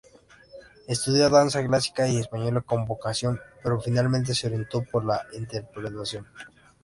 Estudió danza clásica y española con vocación pero finalmente se orientó por la interpretación.